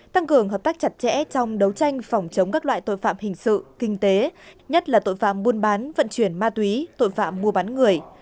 tăng cường hợp tác chặt chẽ trong đấu tranh phòng chống các loại tội phạm hình sự kinh tế nhất là tội phạm buôn bán vận chuyển ma túy tội phạm mua bán người